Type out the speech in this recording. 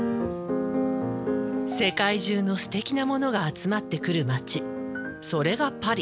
世界中のすてきなものが集まってくる街それがパリ。